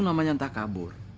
itu namanya takabur